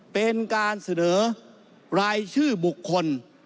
เป็นการเสนอรายชื่อบุคคล